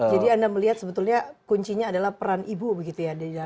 jadi anda melihat sebetulnya kuncinya adalah peran ibu begitu ya